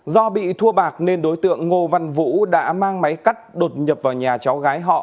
do bị thua bạc nên đối tượng ngô văn vũ đã mang máy cắt đột nhập vào nhà cháu gái họ